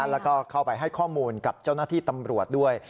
แล้วก็เข้าไปให้ข้อมูลกับเจ้าหน้าที่ตำรวจด้วย